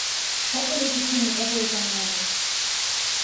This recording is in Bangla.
সকলেই কিছু নেতা হয়ে জন্মায় না।